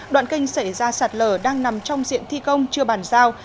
đoạn kênh xảy ra sạt lở đang nằm trong diện thi công chưa bàn giao